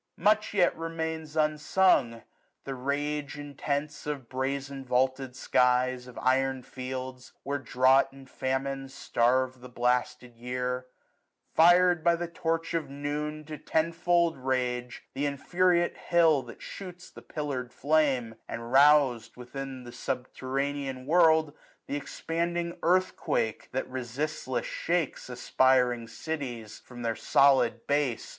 Much yet remains unsung : the rage intense Of brazen vaulted skies, of iron fields, AA?here drought and famine starve the blasted year : FirM by the torch of noon to ten fold rage, 1095 Th' infuriate hill that shoots the pillarM flame j And, rous'd within the subterranean world. SUMMER. 91 Th' expanding earthquake, that resistless shakes Aspiring cities from their solid base.